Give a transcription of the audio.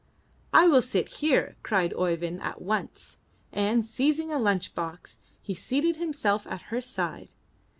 "I will sit here!" cried Oeyvind at once, and, seizing a lunch box, he seated himself at her side.